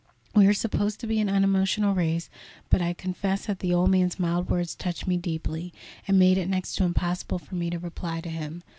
We are supposed to be an unemotional race, but I confess that the old man's mild words touched me deeply, and made it next to impossible for me to reply to him.